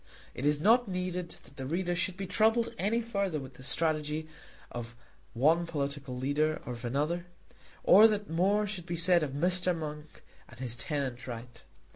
It is not needed that the reader should be troubled any further with the strategy of one political leader or of another, or that more should be said of Mr. Monk and his tenant right.